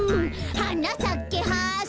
「はなさけハス」